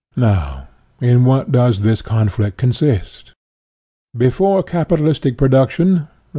Now, in what does this conflict consist? Before capitalistic production, i. e.